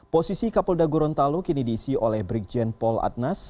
posisi kapolda gorontalo kini diisi oleh brigjen pol adnas